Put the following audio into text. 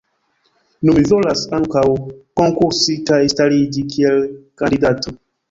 Nu mi volas ankaŭ konkursi kaj stariĝi kiel kandidato.